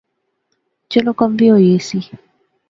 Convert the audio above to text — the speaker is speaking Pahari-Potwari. چلو کم وی ہوئی ایسی